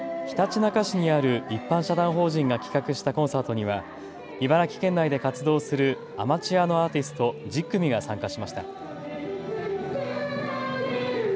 ひたちなか市にある一般社団法人が企画したコンサートには茨城県内で活動するアマチュアのアーティスト１０組が参加しました。